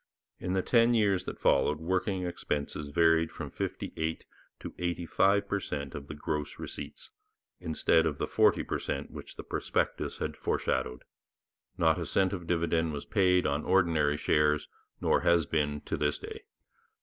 In the ten years that followed, working expenses varied from fifty eight to eighty five per cent of the gross receipts, instead of the forty per cent which the prospectus had foreshadowed; not a cent of dividend was paid on ordinary shares nor has been to this day.